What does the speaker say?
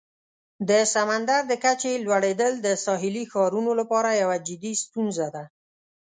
د سمندر د کچې لوړیدل د ساحلي ښارونو لپاره یوه جدي ستونزه ده.